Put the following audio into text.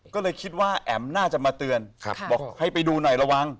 ก็เลยคิดว่าแอ๋มน่าจะมาเตือนบอกให้ไปดูหน่อยระวัง